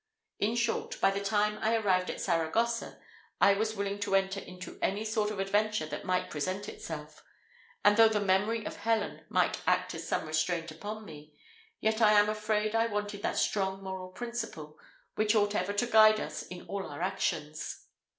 In short, by the time I arrived at Saragossa, I was willing to enter into any sort of adventure that might present itself, and though the memory of Helen might act as some restraint upon me, yet I am afraid I wanted that strong moral principle, which ought ever to guide us in all our actions.